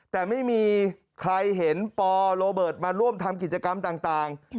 แต่ไม่มีใครเห็นปโรเบิร์ตมาร่วมทำกิจกรรมต่าง